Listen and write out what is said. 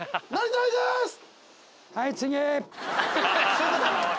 すぐだなおい。